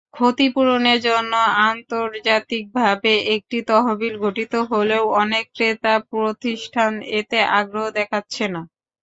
ক্ষতিপূরণের জন্য আন্তর্জাতিকভাবে একটি তহবিল গঠিত হলেও অনেক ক্রেতাপ্রতিষ্ঠান এতে আগ্রহ দেখাচ্ছে না।